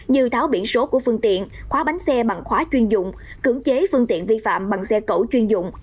như tháo biển số của phương tiện khóa bánh xe bằng khóa chuyên dụng cưỡng chế phương tiện vi phạm bằng xe cẩu chuyên dụng